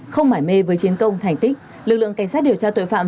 không mải mê với chiến công thành tích lực lượng cảnh sát điều tra tội phạm